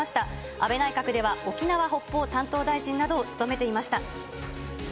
安倍内閣では沖縄・北方担当大臣などを務めていました。